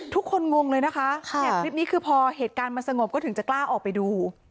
ทุกคนงงเลยนะคะคลิปนี้คือพอเหตุการณ์มาสงบก็ถึงจะกล้าออกไปดู